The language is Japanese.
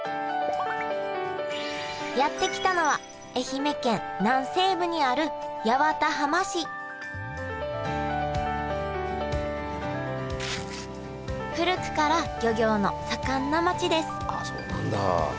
やって来たのは愛媛県南西部にある八幡浜市古くから漁業の盛んな町ですあそうなんだ！